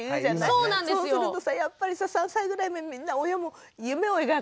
そうするとやっぱりさ３歳ぐらいでみんな親も夢を描くからね。